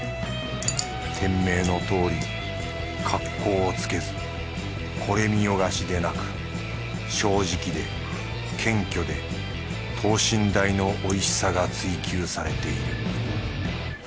店名のとおり格好をつけずこれ見よがしでなく正直で謙虚で等身大のおいしさが追求されている。